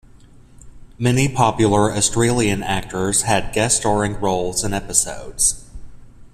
Many popular Australian actors had guest starring roles in episodes.